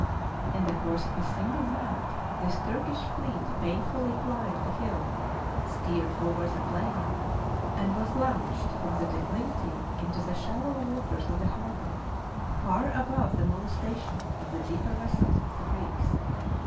In the course of a single night, this Turkish fleet painfully climbed the hill, steered over the plain, and was launched from the declivity into the shallow waters of the harbor, far above the molestation of the deeper vessels of the Greeks.